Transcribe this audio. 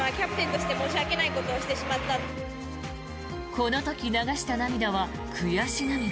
この時流した涙は悔し涙。